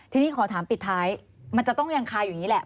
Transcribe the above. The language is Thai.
ทีนี้ขอถามปิดท้ายมันจะต้องยังคาอยู่อย่างนี้แหละ